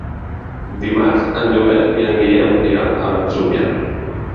Dimarts en Joel i en Guillem iran a l'Atzúbia.